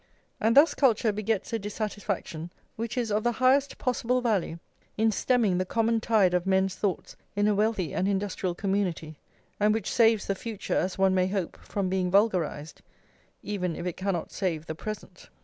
And thus culture begets a dissatisfaction which is of the highest possible value in stemming the common tide of men's thoughts in a wealthy and industrial community, and which saves the future, as one may hope, from being vulgarised, even if it cannot save the present.